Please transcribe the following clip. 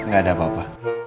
gak ada apa apa